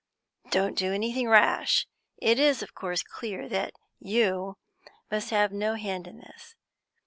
Don't do anything rash; it is of course clear that you must have no hand in this.